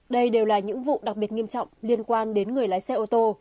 đây đều là những vụ đặc biệt nghiêm trọng liên quan đến người lái xe ô tô